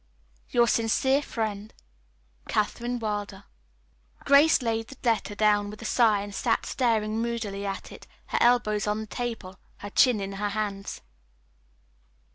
"Your sincere friend, "KATHERINE WILDER." Grace laid the letter down with a sigh and sat staring moodily at it, her elbows on the table, her chin in her hands.